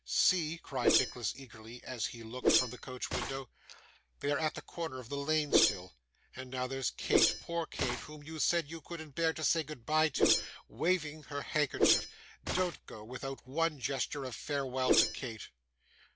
'See,' cried Nicholas eagerly, as he looked from the coach window, 'they are at the corner of the lane still! And now there's Kate, poor Kate, whom you said you couldn't bear to say goodbye to, waving her handkerchief. Don't go without one gesture of farewell to Kate!